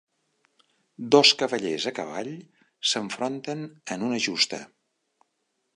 Dos cavallers a cavall s'enfronten en una justa.